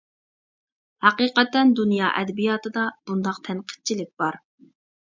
ھەقىقەتەن دۇنيا ئەدەبىياتىدا بۇنداق تەنقىدچىلىك بار.